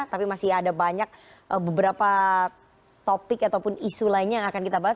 tapi masih ada banyak beberapa topik ataupun isu lainnya yang akan kita bahas